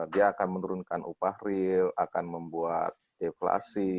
dia akan menurunkan upah real akan membuat deflasi